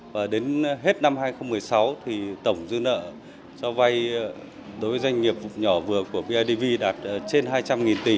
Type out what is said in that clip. và đến hết năm hai nghìn một mươi sáu thì tổng dư nợ cho vay đối với doanh nghiệp nhỏ vừa của bidv đạt trên hai trăm linh tỷ